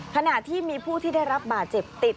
ขณะที่มีผู้ที่ได้รับบาดเจ็บติด